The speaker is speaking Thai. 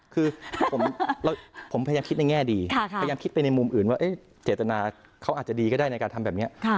คือผมพยายามคิดในแง่ดีพยายามคิดไปในมุมอื่นว่าเจตนาเขาอาจจะดีก็ได้ในการทำแบบนี้